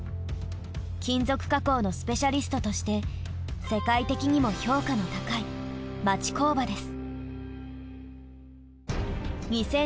金属加工のスペシャリストとして世界的にも評価の高い町工場です。